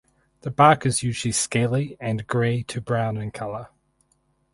The bark is usually scaly and grey to brown in colour.